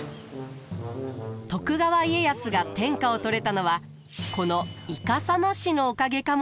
徳川家康が天下を取れたのはこのイカサマ師のおかげかもしれません。